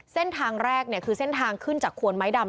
เส้นทางแรกคือเส้นทางขึ้นจากควนไม้ดำ